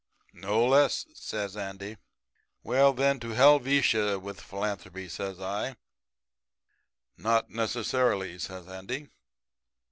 "'No less,' says Andy. "'Then, to Helvetia with philanthropy,' says I. "'Not necessarily,' says Andy.